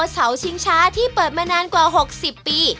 เสาชิงช้าที่เปิดมานานกว่า๖๐ปี